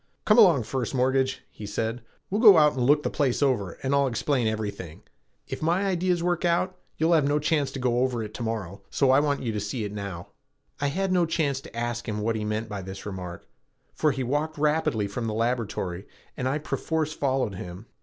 "Come along, First Mortgage," he said, "we'll go out and look the place over and I'll explain everything. If my ideas work out, you'll have no chance to go over it to morrow, so I want you to see it now." I had no chance to ask him what he meant by this remark, for he walked rapidly from the laboratory and I perforce followed him.